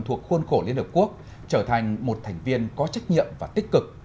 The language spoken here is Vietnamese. thuộc khuôn khổ liên hợp quốc trở thành một thành viên có trách nhiệm và tích cực